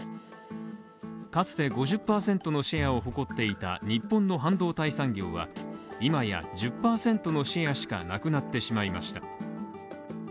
かつて５０％のシェアを誇っていた日本の半導体産業は今や１０％のシェアしかなくなってしまいました。